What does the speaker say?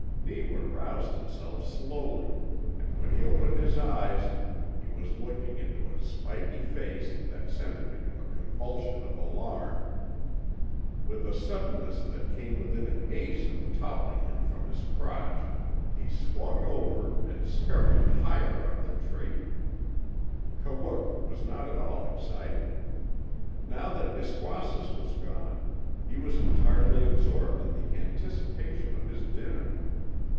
Neewa roused himself slowly, and when he opened his eyes he was looking into a spiky face that sent him into a convulsion of alarm. With a suddenness that came within an ace of toppling him from his crotch he swung over and scurried higher up the tree. Kawook was not at all excited. Now that Iskwasis was gone he was entirely absorbed in the anticipation of his dinner.